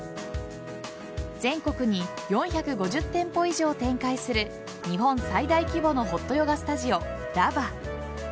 全国に４５０店舗以上を展開する日本最大規模のホットヨガスタジオ・ＬＡＶＡ。